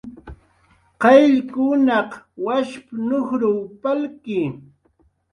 "qayllkunaq washp"" nujruw palki"